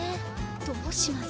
どうします？